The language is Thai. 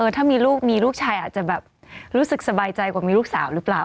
ถ้ามีลูกมีลูกชายอาจจะแบบรู้สึกสบายใจกว่ามีลูกสาวหรือเปล่า